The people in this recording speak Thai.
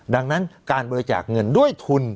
ดังนั้นการบริจาคเงินด้วยทุน